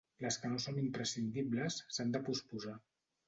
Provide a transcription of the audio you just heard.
Les que no són imprescindibles s'han de posposar.